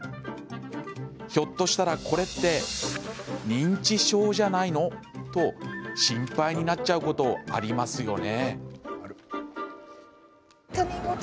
ひょっとしたらこれって認知症じゃないの？と心配になっちゃうことありますよね。